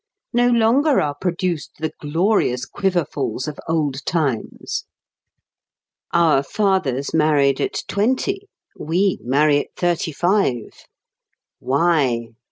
No longer are produced the glorious "quiverfuls" of old times! Our fathers married at twenty; we marry at thirty five. Why?